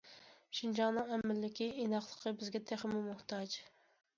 شىنجاڭنىڭ ئەمىنلىكى، ئىناقلىقى بىزگە تېخىمۇ موھتاج.